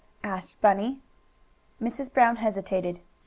asked Bunny. Mrs. Brown hesitated.